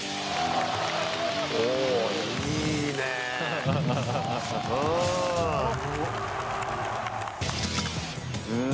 おっ、いいねぇ、うん。